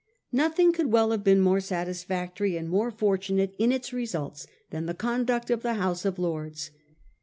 Nothing could well have been more satisfactory and more fortunate in its results than the conduct of the House of Lords.